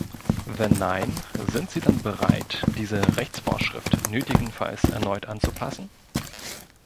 Wenn nein, sind Sie dann bereit, diese Rechtsvorschrift nötigenfalls erneut anzupassen?